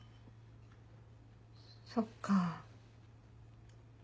そっか。